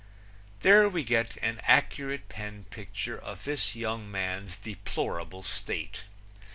There we get an accurate pen picture of his young man's deplorable state.